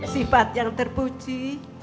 sifat yang terpuji